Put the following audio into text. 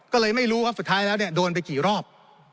ก็เลยไม่รู้ว่าสุดท้ายแล้วเนี่ยโดนไปกี่รอบ